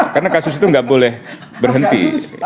karena kasus itu gak boleh berhenti